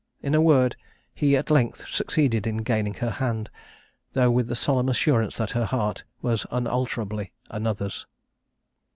In a word, he at length succeeded in gaining her hand, though with the solemn assurance that her heart was unalterably another's.